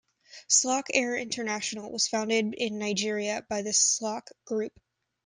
Slok Air International was founded in Nigeria by the Slok Group.